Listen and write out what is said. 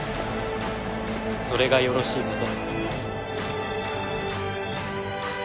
それがよろしいかと。